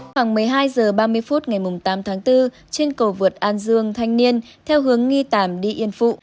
khoảng một mươi hai h ba mươi phút ngày tám tháng bốn trên cầu vượt an dương thanh niên theo hướng nghi tảm đi yên phụ